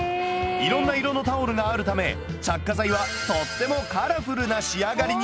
いろんな色のタオルがあるため着火剤はとってもカラフルな仕上がりに！